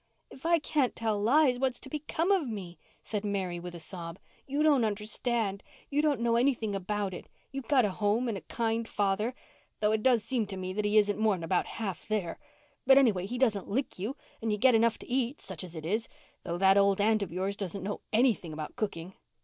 "If I can't tell lies what's to become of me?" said Mary with a sob. "You don't understand. You don't know anything about it. You've got a home and a kind father—though it does seem to me that he isn't more'n about half there. But anyway he doesn't lick you, and you get enough to eat such as it is—though that old aunt of yours doesn't know anything about cooking.